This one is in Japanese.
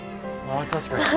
あ確かに。